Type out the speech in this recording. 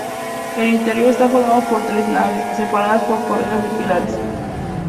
El interior está formado por tres naves, separadas por corridas de pilares.